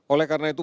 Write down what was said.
oleh karena itu